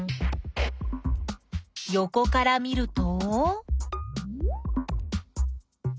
よこから見ると？